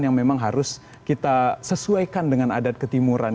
yang memang harus kita sesuaikan dengan adat ketimuran